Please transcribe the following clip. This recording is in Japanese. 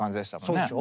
そうでしょ。